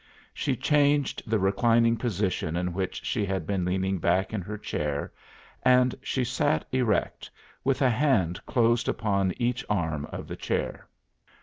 She changed the reclining position in which she had been leaning back in her chair, and she sat erect, with a hand closed upon each arm of the chair.